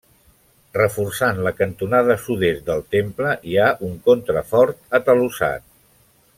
Reforçant la cantonada sud-est del temple hi ha un contrafort atalussat.